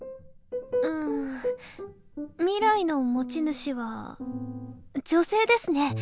「うーん未来の持ち主は女性ですね